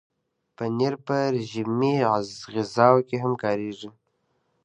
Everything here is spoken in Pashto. پنېر په رژیمي غذاوو کې هم کارېږي.